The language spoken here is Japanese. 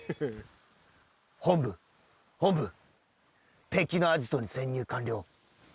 本部本部敵のアジトに潜入完了